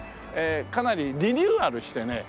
かなりリニューアルしてね